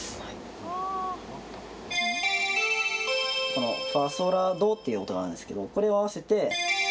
このファソラドっていう音なんですけどこれを合わせて